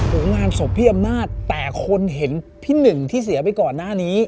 งานศพพี่อำนาจแต่คนเห็นพี่หนึ่งที่เสียไปก่อนหน้านี้